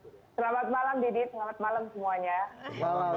selamat malam deddy selamat malam semuanya